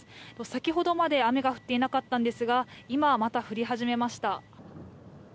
先ほどまで雨が降っていなかったんですが今、また降り始めました。